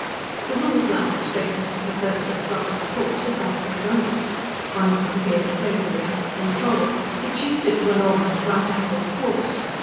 The ruled line straightness of the first six rockets' course abruptly broke. One of them veered crazily out of control. It shifted to an almost right angled course.